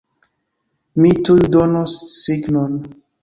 Mi tuj donos signon!